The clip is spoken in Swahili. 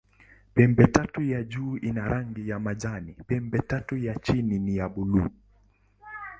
Pembetatu ya juu ina rangi ya majani, pembetatu ya chini ni ya buluu.